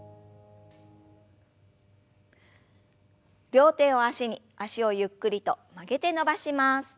両手を脚に脚をゆっくりと曲げて伸ばします。